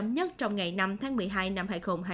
nhất trong ngày năm tháng một mươi hai năm hai nghìn hai mươi